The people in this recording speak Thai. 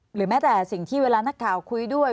หรือแม้แต่สิ่งที่เวลานักข่าวคุยด้วย